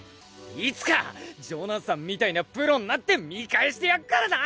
いつかＪＯＮＡＴＨＡＮみたいなプロになって見返してやるからな！